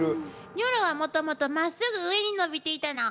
ニョロはもともとまっすぐ上に伸びていたの。